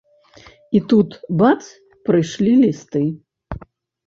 І тут, бац, прыйшлі лісты.